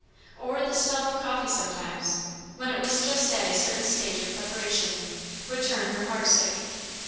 Or the smell of coffee sometimes, when it was just at a certain stage of preparation, would turn her heart sick.